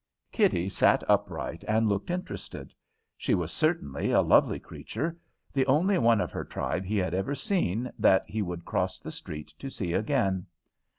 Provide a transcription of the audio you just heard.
Kitty sat upright and looked interested. She was certainly a lovely creature the only one of her tribe he had ever seen that he would cross the street to see again.